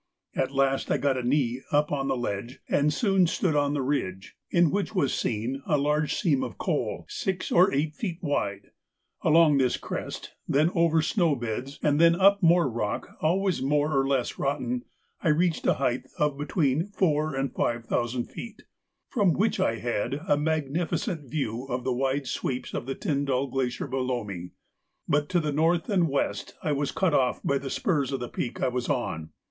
At last I got a knee up to the ledge, and soon stood on the ridge, in which was a large seam of coal, six or eight feet wide. Along this crest, then over snow beds, and then up more rock, always more or less rotten, I reached a height of between four and five thousand feet, from which I had a magnificent view of the wide sweeps of the Tyndall Glacier below me, but to the north and west I was cut off by the spurs of the peak I was on.